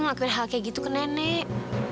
ngakuin hal kayak gitu ke nenek